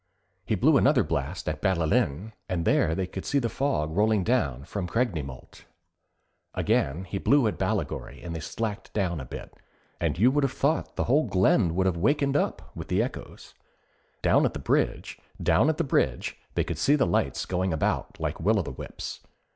He blew another blast at Ballellin, for there they could see the fog rolling down from Creg ny Molt. Again he blew at Ballagorry and they slacked down a bit, and you would have thought the whole glen would have wakened up with the echoes. Down at the bridge they could see the lights going about like will o' the wisps.